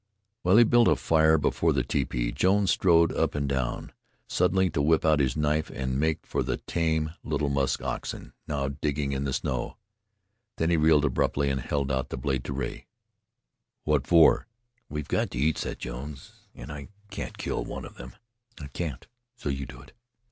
While he built a fire before the tepee, Jones strode up and down, suddenly to whip out his knife and make for the tame little musk oxen, now digging the snow. Then he wheeled abruptly and held out the blade to Rea. "What for?" demanded the giant. "We've got to eat," said Jones. "And I can't kill one of them. I can't, so you do it."